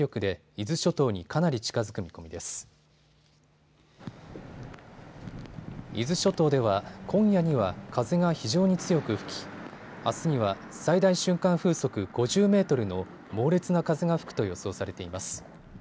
伊豆諸島では、今夜には風が非常に強く吹きあすには最大瞬間風速５０メートルの猛烈な風が吹くと予想されています。